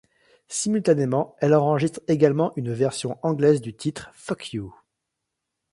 Simultanément, elle enregistre également une version anglaise du titre, Fuck You.